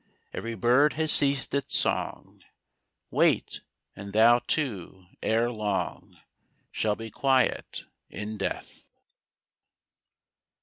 Every bird has ceased its song, Wait ; and thou too, ere long, Shall be quiet in death.